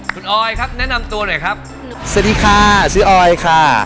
คุณออยครับแนะนำตัวหน่อยครับสวัสดีค่ะชื่อออยค่ะ